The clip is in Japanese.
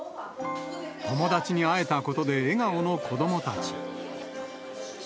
友達に会えたことで笑顔の子どもたち。